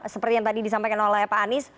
seperti yang tadi disampaikan oleh pak anies